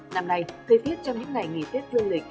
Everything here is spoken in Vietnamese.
năm nay thời tiết trong những ngày nghỉ tết dương lịch